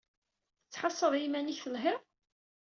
Tettḥassaḍ i yiman-ik telhiḍ?